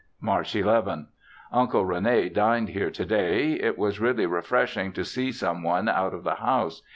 March 11. Uncle Rene dined here to day. It was really refreshing to see some one out of the house.